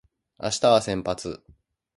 明日は先発